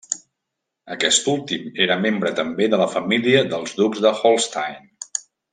Aquest últim era membre també de la família dels ducs de Holstein.